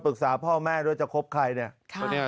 ปรึกษาพ่อแม่ด้วยจะคบใครเนี่ย